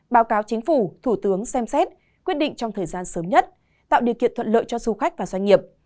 báo cáo chính phủ thủ tướng xem xét quyết định trong thời gian sớm nhất tạo điều kiện thuận lợi cho du khách và doanh nghiệp